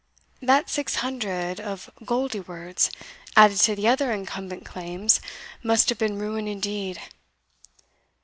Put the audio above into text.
That six hundred of Goldieword's, added to the other incumbent claims, must have been ruin indeed.